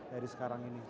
dari sekarang ini